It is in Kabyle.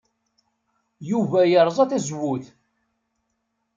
Yuba yerẓa tazewwut.